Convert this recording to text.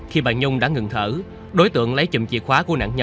khi bà nhung đã ngừng thở đối tượng lấy chìm chìa khóa của nạn nhân mở két sắt